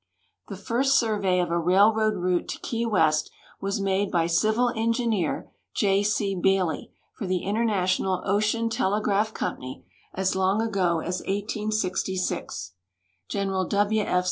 The first survey of a railroad route to Key West was made by Civil Engineer J. C. Uailey for the International Ocean Tele graph Company as long ago as I860. General W. F.